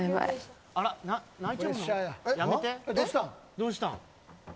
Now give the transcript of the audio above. どうしたん。